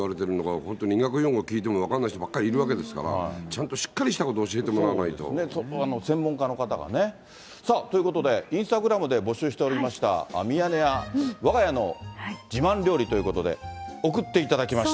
本当に医学用語聞いても分かんない人ばっかりいるわけですから、ちゃんとしっかりしたこと専門家の方がね。さあ、ということで、インスタグラムで募集しておりました、ミヤネ屋我が家の自慢料理ということで、送っていただきました。